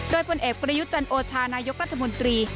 โดยผลเอกประยุทธ์จันโอชานายกรัฐมนตรี